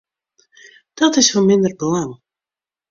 Dat is fan minder belang.